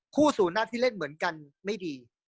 ผู้สูรรัสที่เล่นเหมือนกันไม่ดี